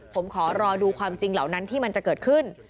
ผมขอรอดูความจริงเหล่านั้นที่มันจะเกิดขึ้น